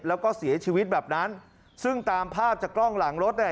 แล้วก็เสียชีวิตแบบนั้นซึ่งตามภาพจากกล้องหลังรถเนี่ย